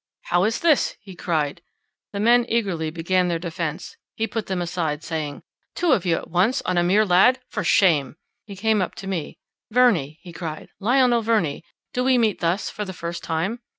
"How is this?" he cried. The men eagerly began their defence; he put them aside, saying, "Two of you at once on a mere lad— for shame!" He came up to me: "Verney," he cried, "Lionel Verney, do we meet thus for the first time?